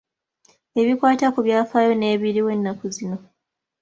Ebikwata ku byafaayo n'ebiriwo ennaku zino.